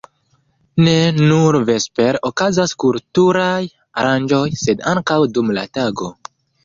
Ne nur vespere okazas kulturaj aranĝoj, sed ankaŭ dum la tago.